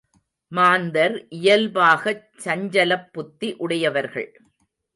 மாந்தர் இயல்பாகச் சஞ்சலப்புத்தி உடையவர்கள்.